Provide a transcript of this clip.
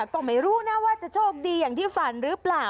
ก็ไม่รู้นะว่าจะโชคดีอย่างที่ฝันหรือเปล่า